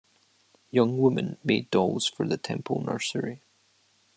Young women made dolls for the temple nursery.